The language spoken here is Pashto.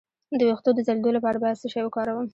د ویښتو د ځلیدو لپاره باید څه شی وکاروم؟